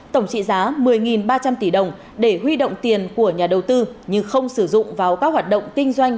tổng trị giá một mươi ba trăm linh tỷ đồng để huy động tiền của nhà đầu tư nhưng không sử dụng vào các hoạt động kinh doanh